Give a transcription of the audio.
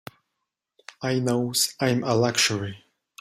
I knows I'm a luxury.